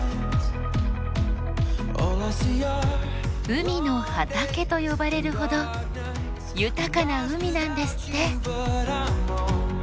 海の畑と呼ばれるほど豊かな海なんですって。